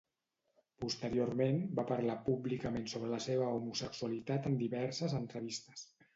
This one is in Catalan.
Posteriorment, va parlar públicament sobre la seva homosexualitat en diverses entrevistes.